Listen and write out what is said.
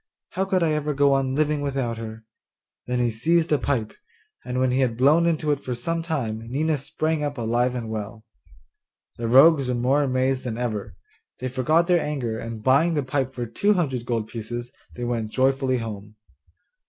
How could I ever go on living without her?' Then he seized a pipe, and when he had blown into it for some time Nina sprang up alive and well. The rogues were more amazed than ever; they forgot their anger, and buying the pipe for two hundred gold pieces, they went joyfully home.